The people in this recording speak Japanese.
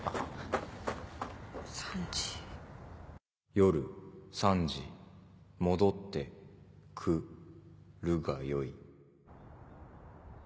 「夜」「三時」「もどって」「来」「るがよい」